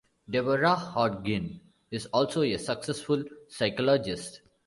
Deborah Hodgkin is also a successful psychologist.